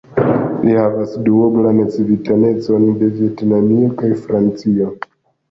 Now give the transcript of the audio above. Li havas duoblan civitanecon de Vjetnamio kaj Francio.